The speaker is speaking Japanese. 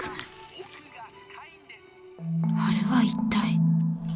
あれは一体。